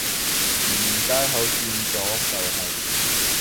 前面街口轉左就係